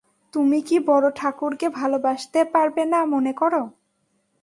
তুমি কি বড়োঠাকুরকে ভালোবাসতে পারবে না মনে কর?